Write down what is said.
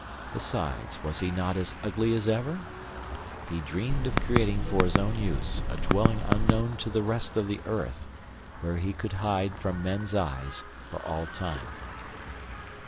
Besides, was he not as ugly as ever? He dreamed of creating for his own use a dwelling unknown to the rest of the earth, where he could hide from men's eyes for all time.